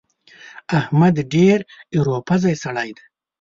احمد ډېر ايرو پزی سړی دی.